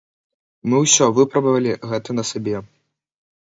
Мы ўсё выпрабавалі гэта на сабе.